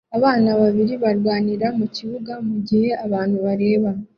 Abana babiri barwanira mukibuga mugihe abantu bareba